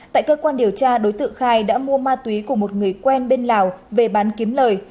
tại cơ quan điều tra đối tượng khai đã mua ma túy của một người quen bên lào về bán kiếm lời